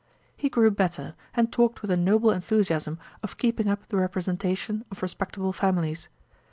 He grew better, and talked with a noble enthusiasm of keeping up the representation of respectable families.